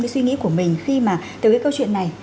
cái suy nghĩ của mình khi mà từ cái câu chuyện này